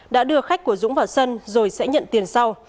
đã đưa khách của dũng vào sân rồi sẽ nhận tiền sau